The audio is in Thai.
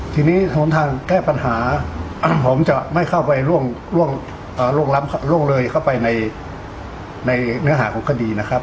ทีนี้สำนักทางแก้ปัญหาผมจะไม่ไประเบิดในเนื้อหาคลุกขลัดดีนะครับ